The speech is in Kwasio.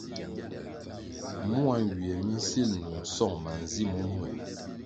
Mua nywie mi nsil nung song manzi momea ri.